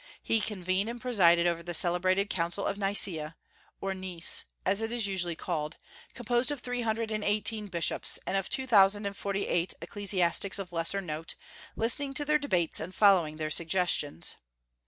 He convened and presided over the celebrated Council of Nicaea, or Nice, as it is usually called, composed of three hundred and eighteen bishops, and of two thousand and forty eight ecclesiastics of lesser note, listening to their debates and following their suggestions.